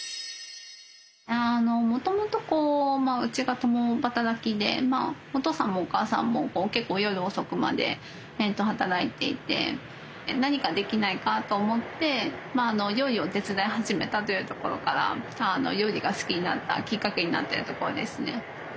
もともとうちが共働きでお父さんもお母さんも結構夜遅くまで働いていて何かできないかと思って料理を手伝い始めたというところから料理が好きになったきっかけになってるところですね。